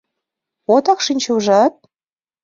Отак шинче, ужат?